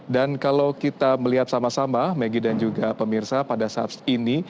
dan kalau kita melihat sama sama maggie dan juga pemirsa pada saat ini